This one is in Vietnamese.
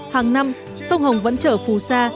hàng năm sông hồng vẫn trở phù sa